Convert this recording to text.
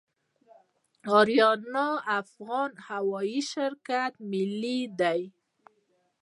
اریانا افغان هوایی شرکت ملي دی